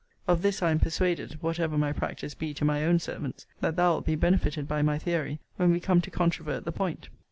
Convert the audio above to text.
Of this I am persuaded, (whatever my practice be to my own servants,) that thou wilt be benefited by my theory, when we come to controvert the point.